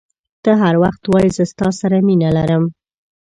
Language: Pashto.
ته هر وخت وایي زه ستا سره مینه لرم.